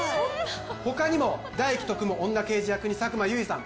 他にも大輝と組む女刑事役に佐久間由衣さん